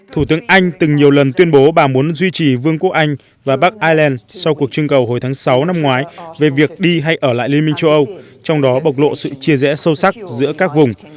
thủ tướng anh từng nhiều lần tuyên bố bà muốn duy trì vương quốc anh và bắc ireland sau cuộc trưng cầu hồi tháng sáu năm ngoái về việc đi hay ở lại liên minh châu âu trong đó bộc lộ sự chia rẽ sâu sắc giữa các vùng